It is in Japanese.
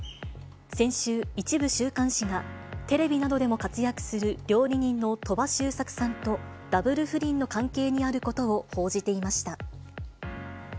先週、一部週刊誌が、テレビなどでも活躍する料理人の鳥羽周作さんとダブル不倫の関係にあることを報じていました。